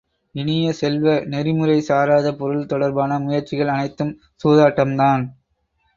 இனிய செல்வ, நெறிமுறை சாராத பொருள் தொடர்பான முயற்சிகள் அனைத்தும் சூதாட்டம் தான்!